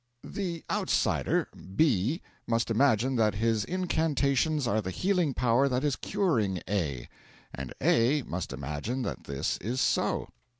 The outsider, B, must imagine that his incantations are the healing power that is curing A, and A must imagine that this is so.